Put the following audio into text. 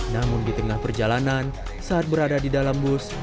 namun di tengah perjalanan saat berada di dalam bus